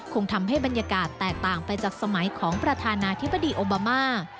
คงทำให้บรรยากาศแตกต่างไปจากสมัยของประธานาธิบดีโอบามา